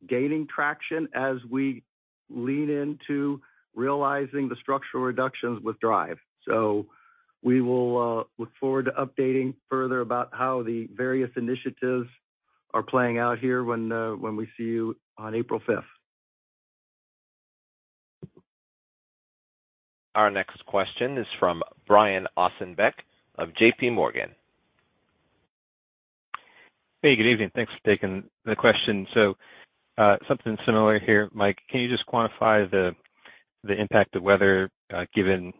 Gaining traction as we lean into realizing the structural reductions with DRIVE. we will look forward to updating further about how the various initiatives are playing out here when we see you on April 5th. Our next question is from Brian Ossenbeck of J.P. Morgan. Hey, good evening. Thanks for taking the question. Something similar here. Mike, can you just quantify the impact of weather given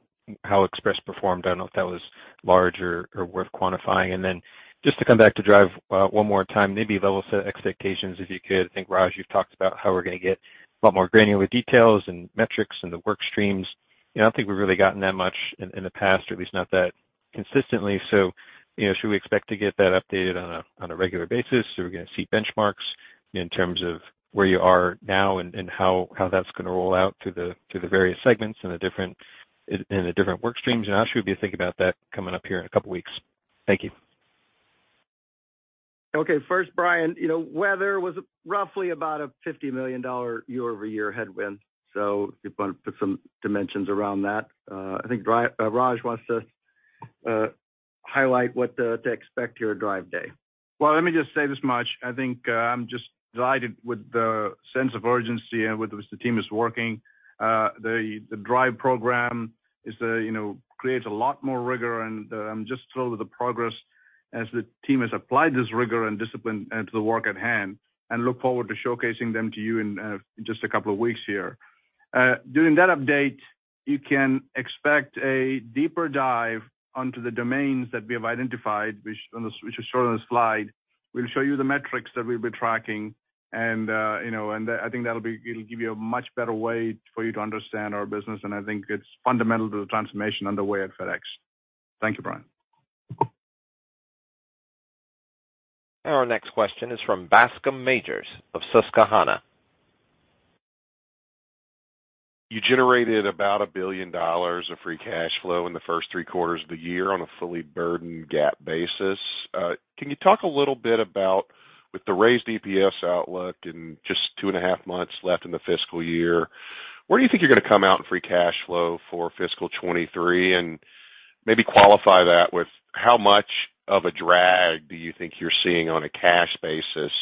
how Express performed? I don't know if that was large or worth quantifying. Just to come back to DRIVE one more time, maybe level set expectations if you could. I think, Raj, you've talked about how we're gonna get a lot more granular details and metrics in the work streams. You know, I don't think we've really gotten that much in the past, or at least not that consistently. You know, should we expect to get that updated on a regular basis? Are we gonna see benchmarks in terms of where you are now and how that's gonna roll out to the various segments in the different work streams? How should we be thinking about that coming up here in a couple of weeks? Thank you. Okay. First, Brian, you know, weather was roughly about a $50 million year-over-year headwind. If you wanna put some dimensions around that. I think Raj wants to highlight what to expect here at DRIVE day. Well, let me just say this much. I think, I'm just delighted with the sense of urgency and with which the team is working. The DRIVE program is, you know, creates a lot more rigor, and I'm just thrilled with the progress as the team has applied this rigor and discipline to the work at hand, and look forward to showcasing them to you in just a couple of weeks here. During that update, you can expect a deeper dive onto the domains that we have identified, which is shown on the slide. We'll show you the metrics that we'll be tracking and, you know, I think it'll give you a much better way for you to understand our business, and I think it's fundamental to the transformation underway at FedEx. Thank you, Brian. Our next question is from Bascome Majors of Susquehanna. You generated about $1 billion of free cash flow in the first three quarters of the year on a fully burdened GAAP basis. Can you talk a little bit about, with the raised EPS outlook and just two and a half months left in the fiscal year, where do you think you're gonna come out in free cash flow for fiscal 2023? Maybe qualify that with how much of a drag do you think you're seeing on a cash basis,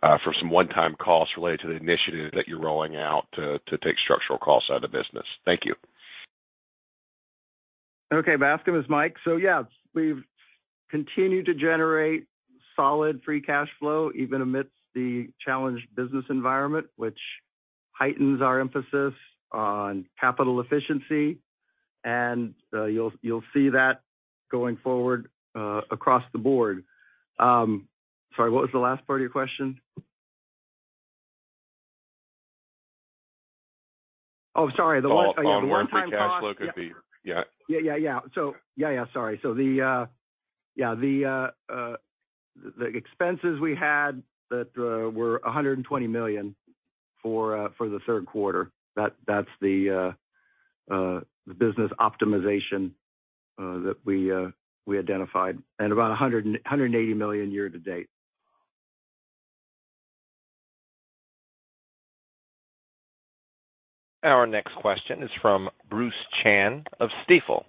for some one-time costs related to the initiative that you're rolling out to take structural costs out of the business. Thank you. Okay. Bascome, it's Mike. Yeah, we've continued to generate solid free cash flow, even amidst the challenged business environment, which heightens our emphasis on capital efficiency. You'll see that going forward across the board. Sorry, what was the last part of your question? Oh, sorry. On one-time cash flow could be. Yeah. Yeah, yeah. Yeah, yeah, sorry. The, yeah, the expenses we had that were $120 million for the third quarter. That's the business optimization that we identified. About $180 million year to date. Our next question is from Bruce Chan of Stifel.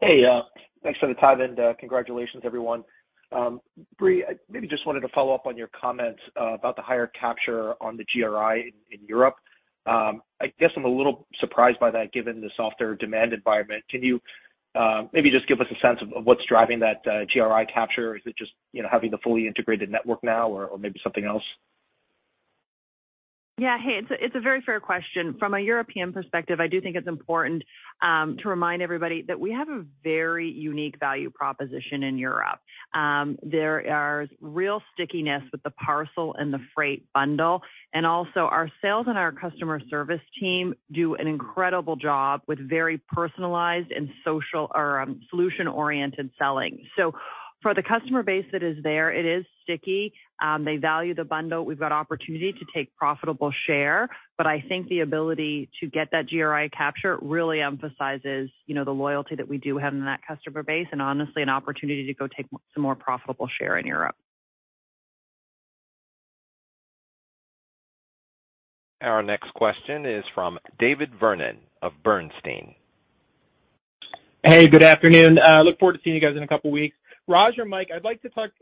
Hey, thanks for the time and congratulations everyone. Brie, I maybe just wanted to follow up on your comments about the higher capture on the GRI in Europe. I guess I'm a little surprised by that given the softer demand environment. Can you maybe just give us a sense of what's driving that GRI capture? Is it just, you know, having the fully integrated network now or maybe something else? Yeah. Hey, it's a very fair question. From a European perspective, I do think it's important to remind everybody that we have a very unique value proposition in Europe. There are real stickiness with the parcel and the freight bundle, also our sales and our customer service team do an incredible job with very personalized and social or solution-oriented selling. For the customer base that is there, it is sticky. They value the bundle. We've got opportunity to take profitable share, but I think the ability to get that GRI capture really emphasizes, you know, the loyalty that we do have in that customer base, honestly, an opportunity to go take some more profitable share in Europe. Our next question is from David Vernon of Bernstein. Hey, good afternoon. Look forward to seeing you guys in a couple weeks. Raj or Mike, I'd like to ask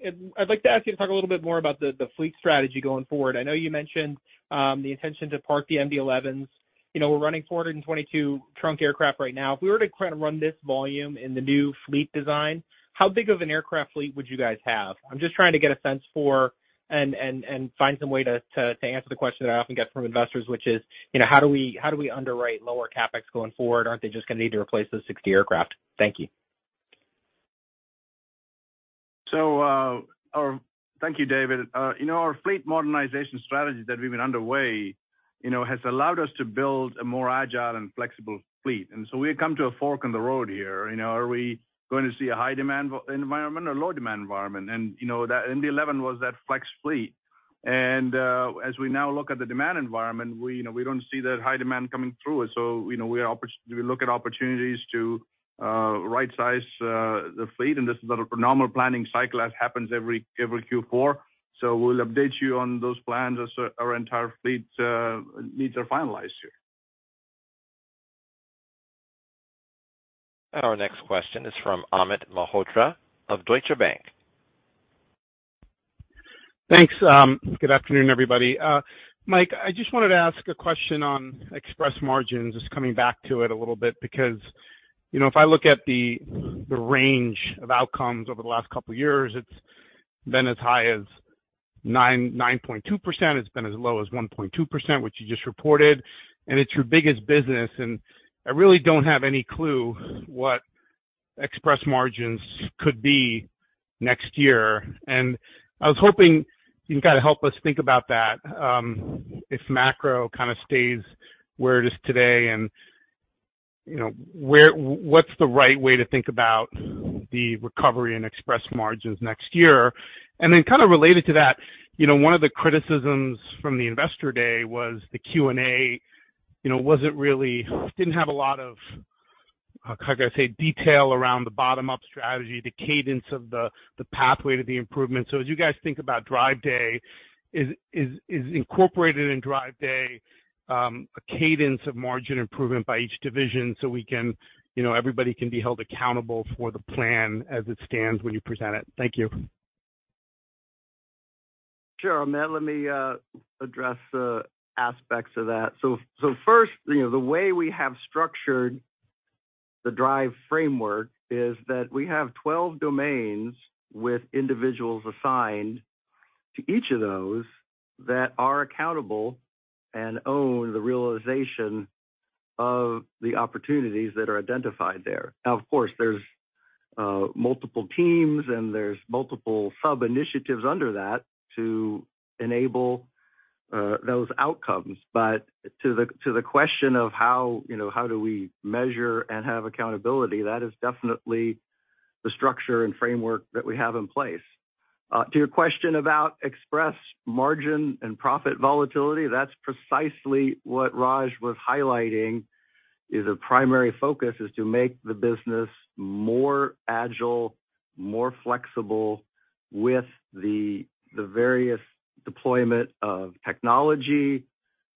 you to talk a little bit more about the fleet strategy going forward. I know you mentioned the intention to park the MD-11s. You know, we're running 422 trunk aircraft right now. If we were to kinda run this volume in the new fleet design, how big of an aircraft fleet would you guys have? I'm just trying to get a sense for and find some way to answer the question that I often get from investors, which is, you know, how do we underwrite lower CapEx going forward? Aren't they just gonna need to replace those 60 aircraft? Thank you. Thank you, David. You know, our fleet modernization strategy that we've been underway, you know, has allowed us to build a more agile and flexible fleet. We come to a fork in the road here, you know, are we going to see a high demand environment or low demand environment? You know, that MD-11 was that flex fleet. As we now look at the demand environment, we, you know, we don't see that high demand coming through. You know, we look at opportunities to right-size the fleet, and this is a normal planning cycle as happens every Q4. We'll update you on those plans as our entire fleet needs are finalized here. Our next question is from Amit Mehrotra of Deutsche Bank. Thanks. Good afternoon, everybody. Mike, I just wanted to ask a question on Express margins, just coming back to it a little bit, because, you know, if I look at the range of outcomes over the last couple years, it's been as high as 9.2%, it's been as low as 1.2%, which you just reported, and it's your biggest business, and I really don't have any clue what Express margins could be next year. I was hoping you can kind of help us think about that, if macro kind of stays where it is today and, you know, what's the right way to think about the recovery in Express margins next year? Kind of related to that, you know, one of the criticisms from the Investor Day was the Q&A, you know, wasn't really, didn't have a lot of, how can I say, detail around the bottom-up strategy, the cadence of the pathway to the improvement. As you guys think about DRIVE Day, is incorporated in DRIVE Day a cadence of margin improvement by each division, so we can, you know, everybody can be held accountable for the plan as it stands when you present it? Thank you. Sure, Amit. Let me address aspects of that. First, you know, the way we have structured the DRIVE framework is that we have 12 domains with individuals assigned to each of those that are accountable and own the realization of the opportunities that are identified there. Of course, there's multiple teams and there's multiple sub-initiatives under that to enable those outcomes. To the question of how, you know, how do we measure and have accountability, that is definitely the structure and framework that we have in place. To your question about express margin and profit volatility, that's precisely what Raj was highlighting, is a primary focus is to make the business more agile, more flexible with the various deployment of technology,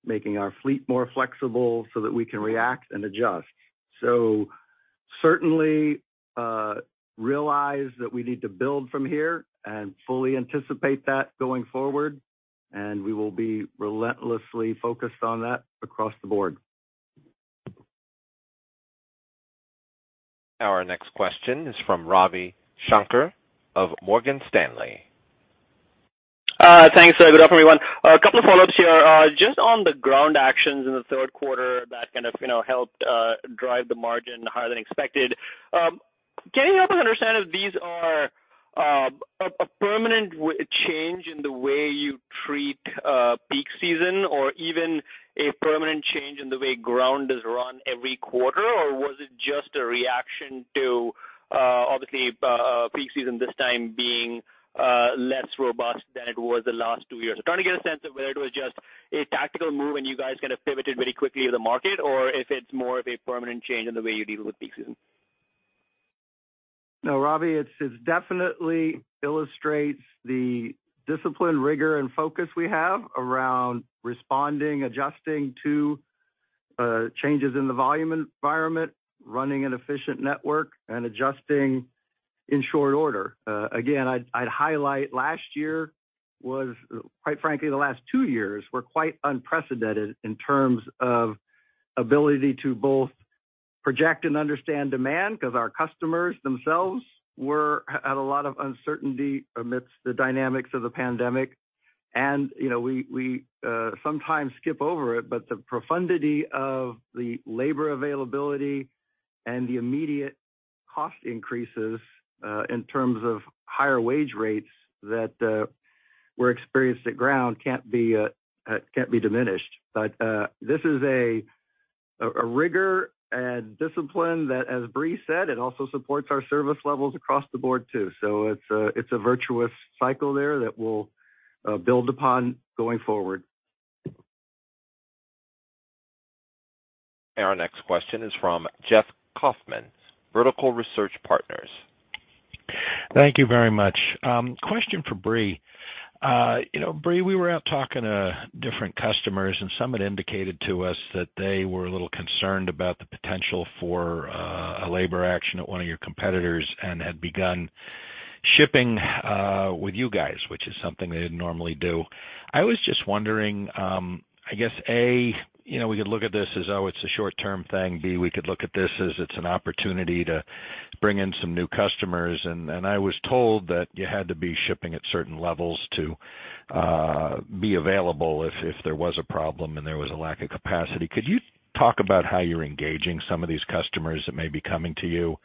making our fleet more flexible so that we can react and adjust. Certainly, realize that we need to build from here and fully anticipate that going forward, and we will be relentlessly focused on that across the board. Our next question is from Ravi Shanker of Morgan Stanley. afternoon, everyone. A couple of follow-ups here. Just on the Ground actions in the third quarter that kind of, you know, helped drive the margin higher than expected. Can you help us understand if these are a permanent change in the way you treat Peak Season or even a permanent change in the way Ground is run every quarter? Or was it just a reaction to obviously, Peak Season this time being less robust than it was the last 2 years? I'm trying to get a sense of whether it was just a tactical move and you guys kind of pivoted very quickly to the market or if it's more of a permanent change in the way you deal with Peak Season. No, Ravi, it definitely illustrates the discipline, rigor, and focus we have around responding, adjusting to changes in the volume environment, running an efficient network, and adjusting in short order. Again, I'd highlight last year was quite frankly, the last 2 years were quite unprecedented in terms of ability to both project and understand demand because our customers themselves were at a lot of uncertainty amidst the dynamics of the pandemic. You know, we sometimes skip over it, but the profundity of the labor availability and the immediate cost increases in terms of higher wage rates that were experienced at Ground can't be diminished. This is a rigor and discipline that, as Brie said, it also supports our service levels across the board too. It's a virtuous cycle there that we'll build upon going forward. Our next question is from Jeff Kauffman, Vertical Research Partners. Thank you very much. Question for Brie. You know, Brie, we were out talking to different customers, and some had indicated to us that they were a little concerned about the potential for a labor action at one of your competitors and had begun shipping with you guys, which is something they didn't normally do. I was just wondering, I guess, A, you know, we could look at this as, oh, it's a short-term thing. B, we could look at this as it's an opportunity to bring in some new customers. I was told that you had to be shipping at certain levels to be available if there was a problem and there was a lack of capacity. Could you talk about how you're engaging some of these customers that may be coming to you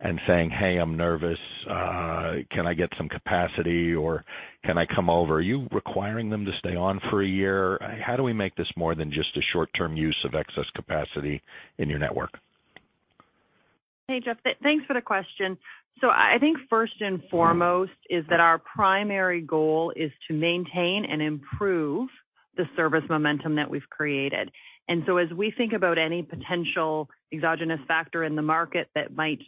and saying, "Hey, I'm nervous. Can I get some capacity, or can I come over? Are you requiring them to stay on for a year? How do we make this more than just a short-term use of excess capacity in your network? Hey, Jeff. Thanks for the question. I think first and foremost is that our primary goal is to maintain and improve the service momentum that we've created. As we think about any potential exogenous factor in the market that might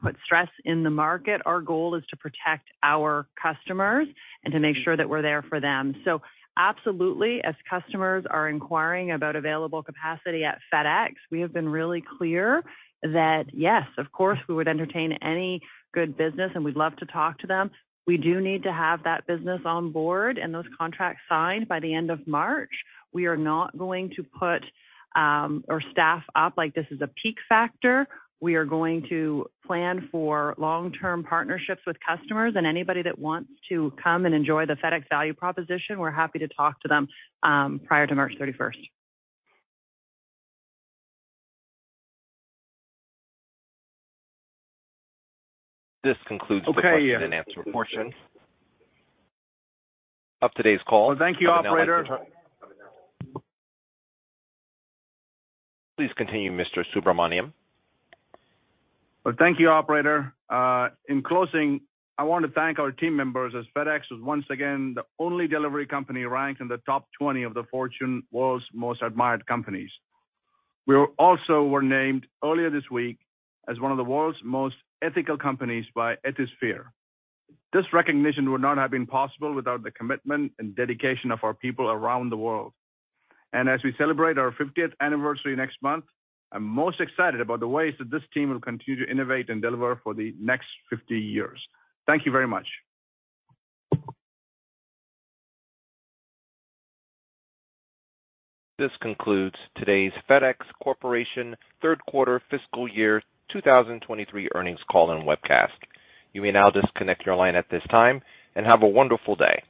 put stress in the market, our goal is to protect our customers and to make sure that we're there for them. Absolutely, as customers are inquiring about available capacity at FedEx, we have been really clear that, yes, of course, we would entertain any good business, and we'd love to talk to them. We do need to have that business on board and those contracts signed by the end of March. We are not going to put or staff up like this is a peak factor. We are going to plan for long-term partnerships with customers. Anybody that wants to come and enjoy the FedEx value proposition, we're happy to talk to them, prior to March 31st. This concludes the question and answer portion of today's call. Well, thank you, operator. Please continue, Mr. Subramaniam. Well, thank you, operator. In closing, I want to thank our team members as FedEx was once again the only delivery company ranked in the top 20 of the Fortune World's Most Admired Companies. We also were named earlier this week as one of the world's most ethical companies by Ethisphere. This recognition would not have been possible without the commitment and dedication of our people around the world. As we celebrate our 50th anniversary next month, I'm most excited about the ways that this team will continue to innovate and deliver for the next 50 years. Thank you very much. This concludes today's FedEx Corporation third quarter fiscal year 2023 earnings call and webcast. You may now disconnect your line at this time. Have a wonderful day.